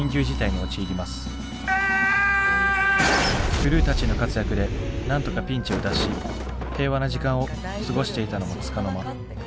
クルーたちの活躍でなんとかピンチを脱し平和な時間を過ごしていたのもつかの間。